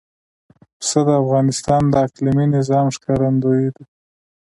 پسه د افغانستان د اقلیمي نظام ښکارندوی ده.